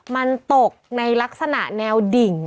มันตกในลักษณะแนวดิ่ง